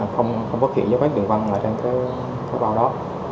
không có khiến cho quán trường văn lại trên cái bao đó